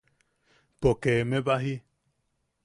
Poke eme baji.